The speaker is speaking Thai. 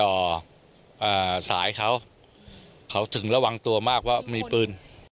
อ่าสายเขาเขาถึงระวังตัวมากว่ามีปืน